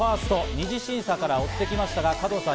２次審査から追ってきましたが、加藤さん